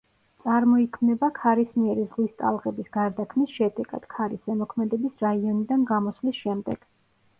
წარმოიქმნება ქარისმიერი ზღვის ტალღების გარდაქმნის შედეგად ქარის ზემოქმედების რაიონიდან გამოსვლის შემდეგ.